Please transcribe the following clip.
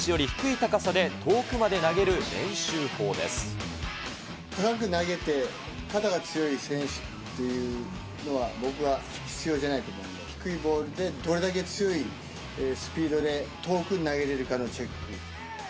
高く投げて肩が強い選手っていうのは僕は必要じゃないと思うんで、低いボールで、どれだけ強いスピードで遠くに投げれるかのチェック。